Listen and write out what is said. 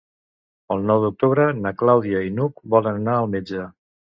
El nou d'octubre na Clàudia i n'Hug volen anar al metge.